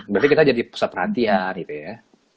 berarti kita jadi pusat perhatian gitu ya